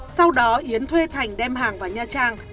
sau đó yến thuê thành đem hàng vào nha trang